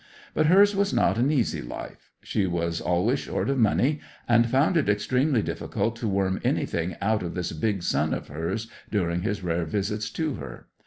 But hers was not an easy life; she was always short of money, and found it extremely difficult to worm anything out of this big son of hers during his rare visits to her.